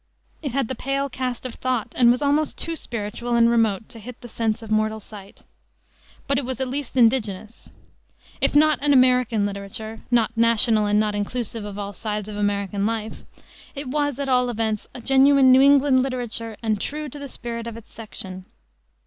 It had the pale cast of thought, and was almost too spiritual and remote to "hit the sense of mortal sight." But it was at least indigenous. If not an American literature not national and not inclusive of all sides of American life it was, at all events, a genuine New England literature and true to the spirit of its section.